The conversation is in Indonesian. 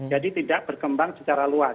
jadi tidak berkembang secara luas